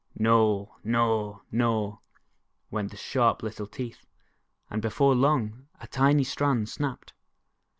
"Gnaw, gnaw, gnaw," went the sharp little teeth, and be fore long, a tiny strand snapped.